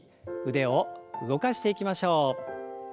腕を動かしていきましょう。